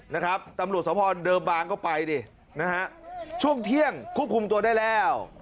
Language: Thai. นะครับตำรวจทรภรณ์เดิมบ้างก็ไปดิช่วงเที่ยงคุกคุมตัวได้แล้ว